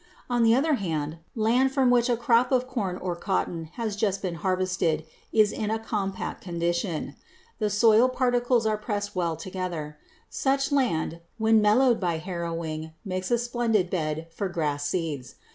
On the other hand, land from which a crop of corn or cotton has just been harvested is in a compact condition. The soil particles are pressed well together. Such land when mellowed by harrowing makes a splendid bed for grass seeds.